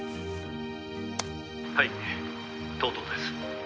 「はい藤堂です」